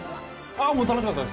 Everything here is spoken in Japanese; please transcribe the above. あもう楽しかったです